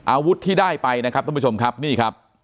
อาวุธที่ได้ไปนะครับท่านผู้ชมครับนี่ครับ